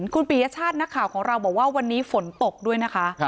คุณปียชาตินักข่าวของเราบอกว่าวันนี้ฝนตกด้วยนะคะ